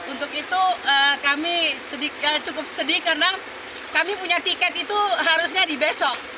untuk itu kami cukup sedih karena kami punya tiket itu harusnya di besok